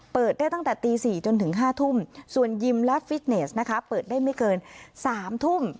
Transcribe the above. เปิดได้ตั้งแต่ตี๔จนถึง๕ทุ่มส่วนยิมลอสฟิตเนสนะคะเปิดได้ไม่เกิน๓ทุ่ม